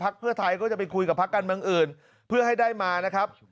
เพื่อไทยก็จะไปคุยกับพักการเมืองอื่นเพื่อให้ได้มานะครับ